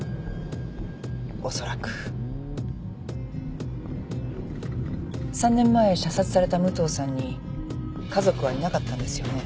おそらく。３年前射殺された武藤さんに家族はいなかったんですよね？